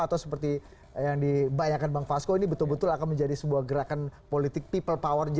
atau seperti yang dibayangkan bang fasko ini betul betul akan menjadi sebuah gerakan politik people power